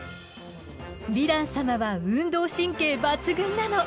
ヴィラン様は運動神経抜群なの！